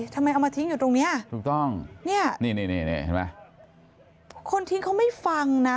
ทำไมเอามาทิ้งอยู่ตรงนี้ถูกต้องนี่คนทิ้งเขาไม่ฟังนะ